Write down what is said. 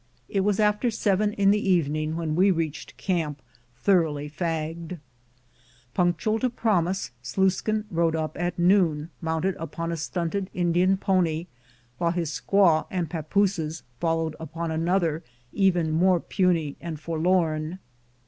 It was after seven in the evening when we reached camp, thoroughly fagged. Punctual to promise, Sluiskin rode up at noon mounted upon a stunted Indian pony, while his squaw and pappooses followed upon another even more puny and forlorn.